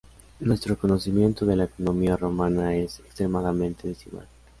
Nuestro conocimiento de la economía romana es extremadamente desigual.